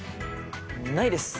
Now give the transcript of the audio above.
ないです！